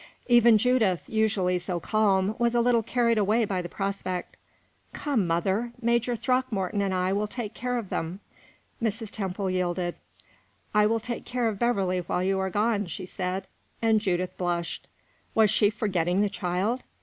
Even Judith, usually so calm, was a little carried away by the prospect. "Come, mother, Major Throckmorton and I will take care of them." Mrs. Temple yielded. "I will take care of Beverley while you are gone," she said, and Judith blushed. Was she forgetting the child?